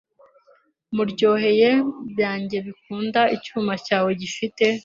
muryohereye byanjye bikunda icyuma cyawe gifite